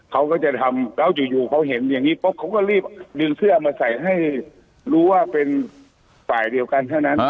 เขาก็จะทำแล้วอยู่เขาเห็นอย่างนี้ปุ๊บเขาก็รีบดึงเสื้อมาใส่ให้รู้ว่าเป็นฝ่ายเดียวกันเท่านั้น